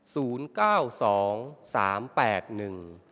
ศูนย์เก้าสองสามแปดหนึ่ง